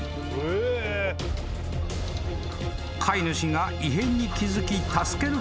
［飼い主が異変に気付き助けることに］